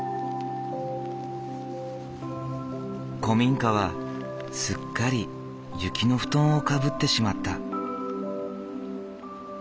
古民家はすっかり雪の布団をかぶってしまった。